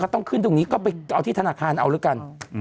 ต้องขึ้นคุณสามารถนับที่ธนาคารมาเลือกกัน